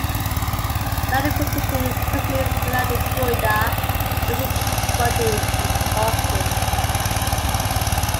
Land acquisition continues throughout the corridor until this funding is exhausted.